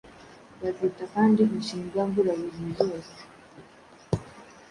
Bazita kandi inshinga mburabuzi zose.